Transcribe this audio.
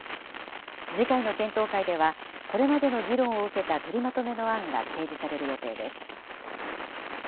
次回の検討会では、これまでの議論を受けた取りまとめの案が提示される予定です。